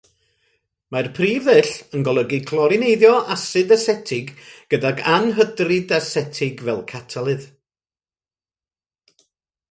Mae'r prif ddull yn golygu clorineiddio asid asetig, gydag anhydrid asetig fel catalydd.